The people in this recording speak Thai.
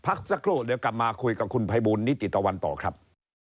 พักสักครู่เดี๋ยวกลับมาคุยกับคุณภัยบูลนิติตะวันต่อครับ